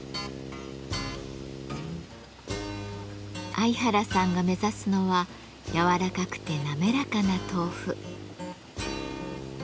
相原さんが目指すのはやわらかくてなめらかな豆腐。